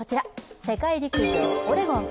世界陸上オレゴン。